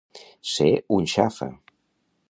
Ser un xafa.